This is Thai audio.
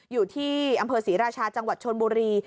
อยู่ที่อำเภอศรีราชาจังหวัดชนบุรี